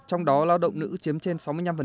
trong đó lao động nữ chiếm trên sáu mươi năm